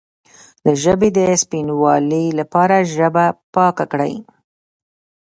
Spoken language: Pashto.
د ژبې د سپینوالي لپاره ژبه پاکه کړئ